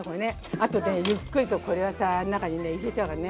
あとでゆっくりとこれはさ中にね入れちゃうからね。